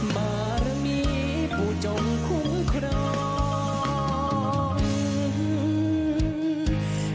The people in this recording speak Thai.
บารมีผู้จงคุ้มครอง